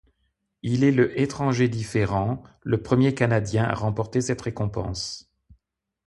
Il est le étranger différent, le premier canadien, à remporter cette récompense.